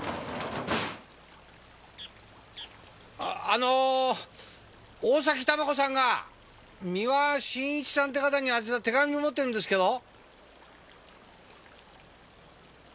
あの大崎珠子さんが三輪信一さんって方に宛てた手紙を持ってるんですけど？